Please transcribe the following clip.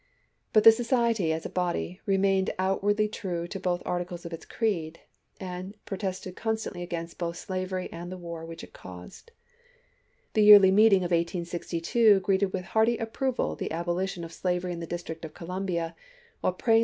But the Society, as a body, remained out wardly true to both articles of its creed, and protested constantly against both slavery and the war which it caused. The yearly meeting of 1862 greeted with hearty approval the abolition of LINCOLN AND THE CHUKCHES B27 slavery in the District of Columbia, while praying chap.